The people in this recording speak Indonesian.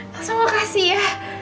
langsung kasih ya